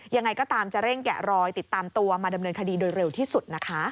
ยังไงก็ตามจะเร่งแกะรอยติดตามตัวมาดำเนินคดีโดยเร็วที่สุดนะคะ